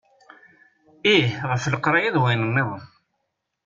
Ih ɣef leqraya d wayen-nniḍen.